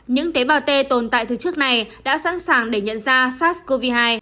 những tế bào t tồn tại từ trước này đã sẵn sàng để nhận ra sars cov hai